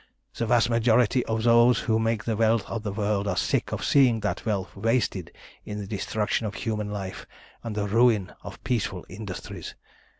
"The vast majority of those who make the wealth of the world are sick of seeing that wealth wasted in the destruction of human life, and the ruin of peaceful industries.